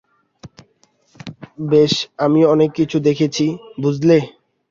বেশ, আমি অনেককিছু দেখেছি, বুঝলে?